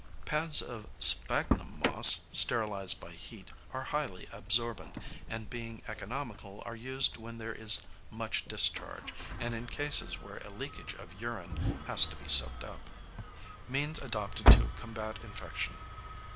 Pads of sphagnum moss, sterilised by heat, are highly absorbent, and being economical are used when there is much discharge, and in cases where a leakage of urine has to be soaked up. #Means adopted to combat Infection.